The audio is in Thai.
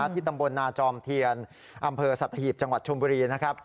ที่ตำบลนาจอมเทียนอำเภอสัตหีบจังหวัดชมบุรีนะครับ